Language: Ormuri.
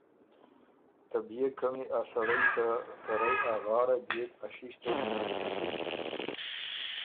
ته بيې قمی ا سړئ که ته رئ ا غاړه ديېک ا ݭیݭتئ یه نل نکِن